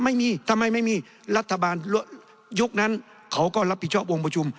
ไม่มีทำไมไม่มีรัฐบาลยุคนั้นเขาก็รับผิดชอบวงประชุม